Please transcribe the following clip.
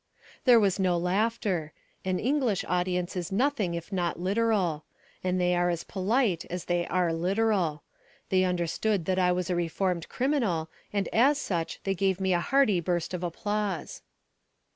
There was no laughter. An English audience is nothing if not literal; and they are as polite as they are literal. They understood that I was a reformed criminal and as such they gave me a hearty burst of applause.